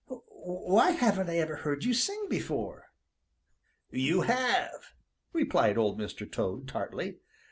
"Why haven't I ever heard you sing before?" "You have," replied Old Mr. Toad tartly.